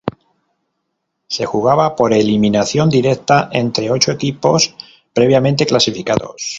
Se jugaba por eliminación directa entre ocho equipos, previamente clasificados.